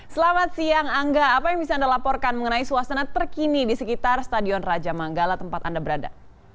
selamat siang angga apa yang bisa anda laporkan mengenai suasana terkini di sekitar stadion raja manggala tempat anda berada